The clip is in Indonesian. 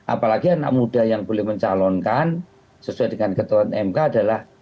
apalagi anak muda yang boleh mencalonkan sesuai dengan ketua mk adalah